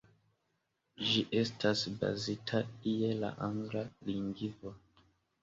Ĝi estas bazita je la angla lingvo.